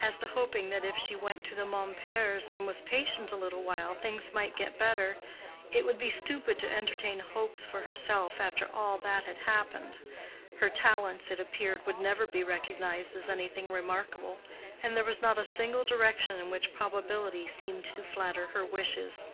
As to hoping that if she went to the Momperts' and was patient a little while, things might get better—it would be stupid to entertain hopes for herself after all that had happened: her talents, it appeared, would never be recognized as anything remarkable, and there was not a single direction in which probability seemed to flatter her wishes.